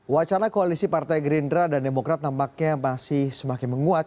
wacana koalisi partai gerindra dan demokrat nampaknya masih semakin menguat